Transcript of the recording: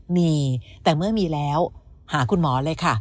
มีแต่เมื่อมีแล้วหาคุณหมอเลยค่ะ